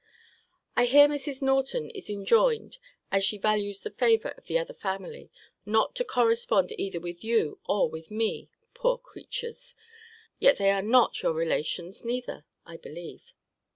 I hear Mrs. Norton is enjoined, as she values the favour of the other family, not to correspond either with you or with me Poor creatures! But they are your yet they are not your relations, neither, I believe.